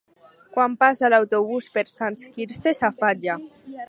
Quan passa l'autobús per Sant Quirze Safaja?